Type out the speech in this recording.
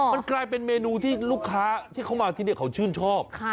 มันกลายเป็นเมนูที่ลูกค้าที่เขามาที่นี่เขาชื่นชอบ